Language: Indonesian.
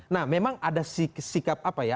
nah memang ada sikap apa ya